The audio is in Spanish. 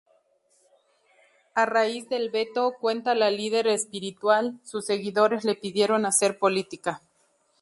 A raíz del veto, cuenta la líder espiritual, sus seguidores le pidieron hacer política.